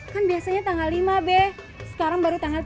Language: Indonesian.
kan biasanya tanggal lima be sekarang baru tanggal tiga